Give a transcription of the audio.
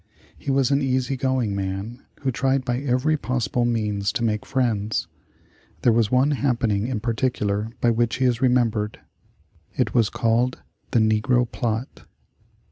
He was an easy going man, who tried by every possible means to make friends. There was one happening in particular by which he is remembered. It was called the Negro Plot.